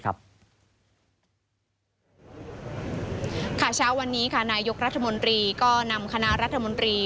เช้าวันนี้ค่ะนายกรัฐมนตรีก็นำคณะรัฐมนตรี